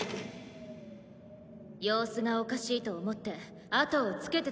様子がおかしいと思って後をつけてたのよ。